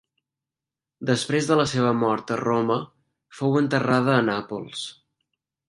Després de la seva mort, a Roma, fou enterrada a Nàpols.